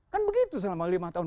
kan begitu selama lima tahun